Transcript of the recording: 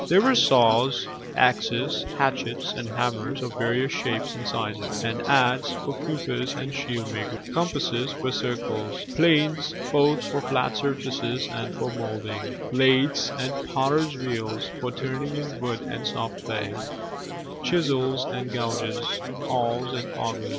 There were saws, axes, hatchets, and hammers of various shapes and sizes; an adze for coopers and shield makers; compasses for circles; planes both for flat surfaces and for moulding; lathes and potter's wheels for turning in wood and soft clay; chisels and gouges, awls, and augers.